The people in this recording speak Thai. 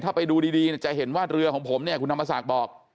ถ้าไปดูดีจะเห็นว่าเรือของผมเนี่ยคุณธรรมศักดิ์บอก